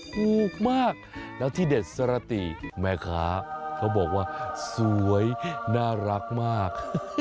ถูกมากแล้วที่เด็ดสรติแม่ค้าเขาบอกว่าสวยน่ารักมาก